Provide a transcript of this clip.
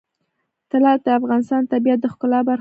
طلا د افغانستان د طبیعت د ښکلا برخه ده.